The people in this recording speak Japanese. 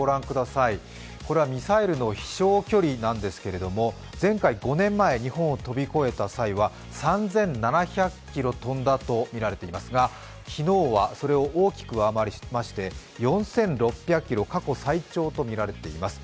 これはミサイルの飛翔距離なんですけれども前回５年前、日本を飛び越えた際は３７００ｋｍ飛んだとみられていますが昨日はそれを大きく上回りまして４６００ｋｍ、過去最長とみられています。